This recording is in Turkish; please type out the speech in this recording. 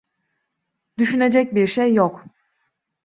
Düşünecek bir şey yok.